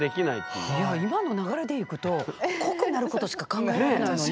いや今の流れでいくと濃くなることしか考えられないのに。